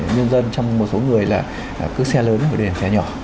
nhân dân trong một số người là cứ xe lớn để xe nhỏ